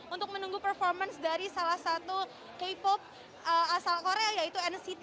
untuk menunggu performance dari salah satu k pop asal korea yaitu nct